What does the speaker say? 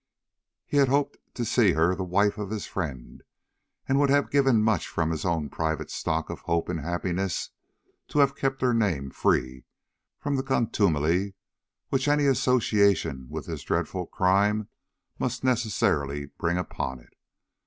He had hoped to see her the wife of his friend, and would have given much from his own private stock of hope and happiness to have kept her name free from the contumely which any association with this dreadful crime must necessarily bring upon it.